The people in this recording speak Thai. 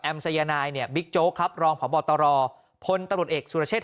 สายนายเนี่ยบิ๊กโจ๊กครับรองพบตรพลตำรวจเอกสุรเชษฐ